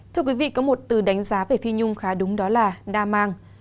thưa quý vị có một từ đánh giá về phi nhung khá đúng đó là đa mang